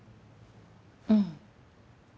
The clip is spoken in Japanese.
うん。